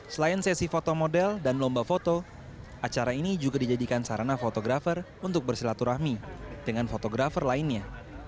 selain sesi foto model dan lomba foto acara ini juga dijadikan sarana fotografer untuk bersilaturahmi dengan fotografer lainnya